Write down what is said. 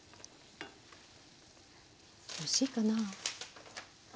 おいしいかな。